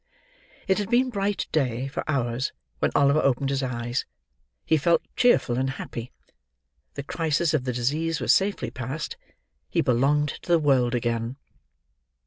It had been bright day, for hours, when Oliver opened his eyes; he felt cheerful and happy. The crisis of the disease was safely past. He belonged to the world again.